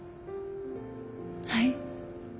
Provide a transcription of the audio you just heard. はい。